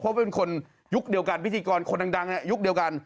เพราะเป็นคนยุคเดียวกันพิธีกรคนดังยุคเดียวกัน